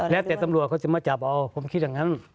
แล้วแต่ตำรวจเขาจะมาจับเอาผมคิดอย่างนั้น